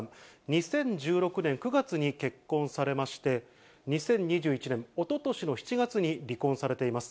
２０１６年９月に結婚されまして、２０２１年、おととしの７月に離婚されています。